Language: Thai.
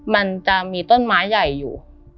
มันจะมีต้นไม้ใหญ่อยู่